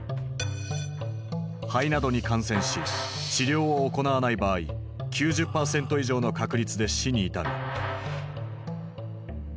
肺などに感染し治療を行わない場合９０％以上の確率で死に至る。